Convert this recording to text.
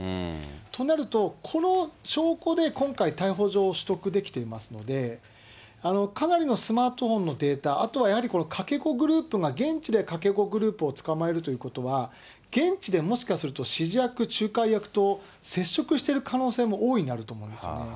となると、この証拠で今回逮捕状を取得できていますので、かなりのスマートフォンのデータ、あとはやはりこのかけ子グループが現地でかけ子グループを捕まえるということは、現地でもしかすると、指示役、仲介役と接触している可能性も大いにあると思いますよね。